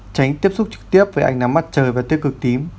tránh tiếp xúc trực tiếp với ảnh nắm mặt trời và tiết cực tím